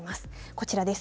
こちらです。